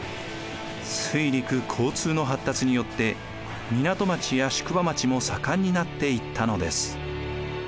水陸交通の発達によって港町や宿場町も盛んになっていったのです。